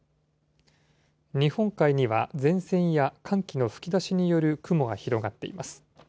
日本海には前線や寒気の吹き出しによる雲が広がっています。